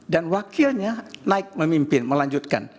dan wakilnya naik memimpin melanjutkan